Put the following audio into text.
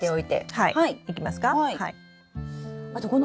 はい。